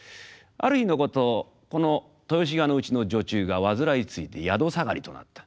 ある日のことこの豊志賀のうちの女中が患いついて宿下がりとなった。